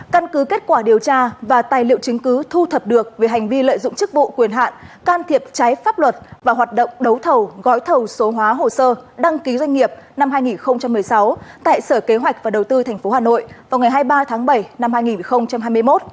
căn cứ kết quả điều tra và tài liệu chứng cứ thu thập được về hành vi lợi dụng chức vụ quyền hạn can thiệp trái pháp luật và hoạt động đấu thầu gói thầu số hóa hồ sơ đăng ký doanh nghiệp năm hai nghìn một mươi sáu tại sở kế hoạch và đầu tư tp hà nội vào ngày hai mươi ba tháng bảy năm hai nghìn hai mươi một